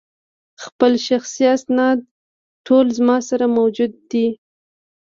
خپل شخصي اسناد ټول زما سره موجود دي.